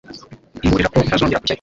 Mburira ko ntazongera kujyayo.